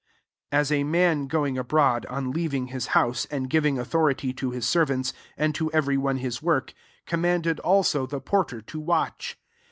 34 As a man going abroad, on leaving his house, and giving authonty to his servants, and to every one his work, command ed also the porter to watch.